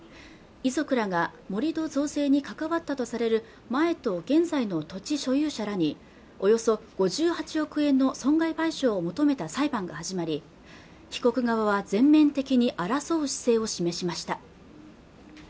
遺族らが盛り土造成に関わったとされる前と現在の土地所有者らにおよそ５８億円の損害賠償を求めた裁判が始まり被告側は全面的に争う姿勢を示しました